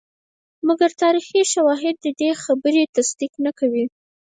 مګر تاریخي شواهد ددې خبرې تصدیق نه کوي.